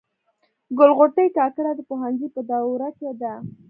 ګل غوټۍ کاکړه د پوهنځي په دوره کي ده.